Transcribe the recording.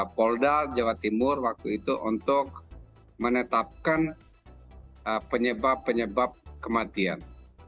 polda jawa timur waktu itu untuk menetapkan penyebab penyebab kematian